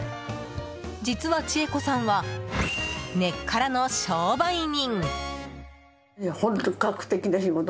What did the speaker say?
実は、千恵子さんは根っからの商売人。